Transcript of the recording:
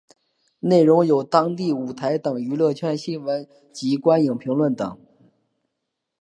内容有当地舞台等娱乐圈新闻及观影评论等。